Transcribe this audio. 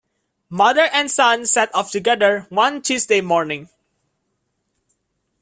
Mother and son set off together one Tuesday morning.